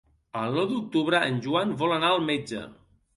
El nou d'octubre en Joan vol anar al metge.